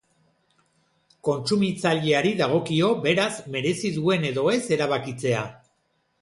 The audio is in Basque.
Kontsumitzaileari dagokio, beraz, merezi duen edo ez erabakitzea.